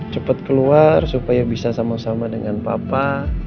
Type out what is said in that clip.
cepat keluar supaya bisa sama sama dengan papa